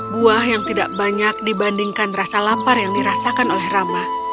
buah yang tidak banyak dibandingkan rasa lapar yang dirasakan oleh rama